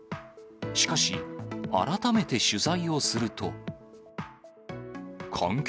しかし、改めて取材をすると。